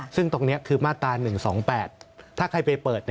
ซึ่งตรงนี้คือมาตรา๑๒๘ถ้าใครไปเปิด